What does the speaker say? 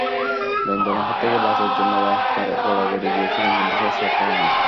যন্ত্রণার হাত থেকে বাঁচার জন্য রাস্তায় গড়াগড়ি দিয়েছিলেন, কিন্তু শেষ রক্ষা হয়নি।